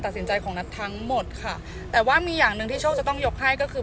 ตัดสินใจของนัททั้งหมดค่ะแต่ว่ามีอย่างหนึ่งที่โชคจะต้องยกให้ก็คือ